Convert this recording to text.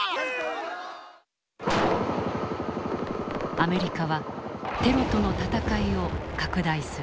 アメリカはテロとの戦いを拡大する。